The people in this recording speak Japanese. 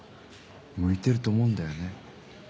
向いてると思うんだよね。